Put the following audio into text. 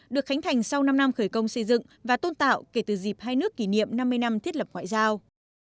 được khánh thành sau năm năm khởi công xây dựng và tôn tạo kể từ dịp hai nước kỷ niệm năm mươi năm thiết lập ngoại giao